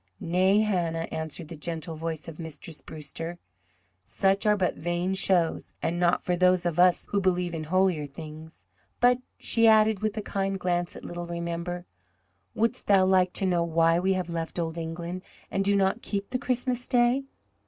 "Nay, Hannah," answered the gentle voice of Mistress Brewster. "Such are but vain shows and not for those of us who believe in holier things. But," she added, with a kind glance at little Remember, "wouldst thou like to know why we have left Old England and do not keep the Christmas Day?